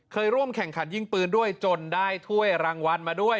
เคยร่วมแข่งขันยิงปืนด้วยจนได้ถ้วยรางวัลมาด้วย